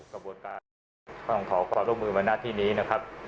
กระบวนการต้องขอความร่วมมือมาหน้าที่นี้นะครับ